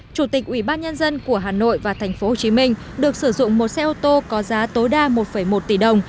chủ tịch ủy ban nhân dân của hà nội và tp hcm được sử dụng một xe ô tô có giá tối đa một một tỷ đồng